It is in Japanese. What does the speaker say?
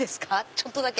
ちょっとだけ。